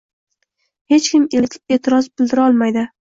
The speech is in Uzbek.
Hech kim e'tiroz bildira olmaydi